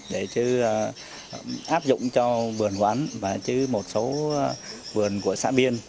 để chứ áp dụng cho vườn quán và chứ một số vườn của xã biên